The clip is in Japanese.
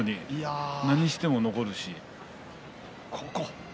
何しても残るし。